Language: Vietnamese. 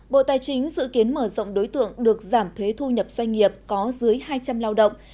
bộ tài chính dự kiến mở rộng đối tượng được giảm thuế thu nhập doanh nghiệp có dưới hai trăm linh lao động